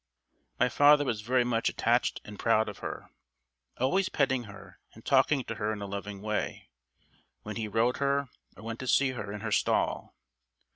My father was very much attached to and proud of her, always petting her and talking to her in a loving way, when he rode her or went to see her in her stall.